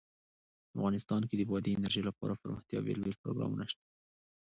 افغانستان کې د بادي انرژي لپاره دپرمختیا بېلابېل پروګرامونه شته.